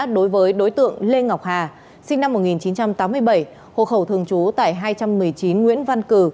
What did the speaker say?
đối với đối tượng lê ngọc hà sinh năm một nghìn chín trăm tám mươi bảy hộ khẩu thường trú tại hai trăm một mươi chín nguyễn văn cử